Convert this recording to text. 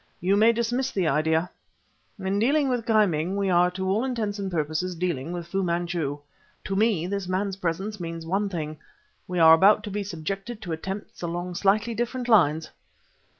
You may dismiss the idea. In dealing with Ki Ming we are to all intents and purposes dealing with Fu Manchu. To me, this man's presence means one thing: we are about to be subjected to attempts along slightly different lines."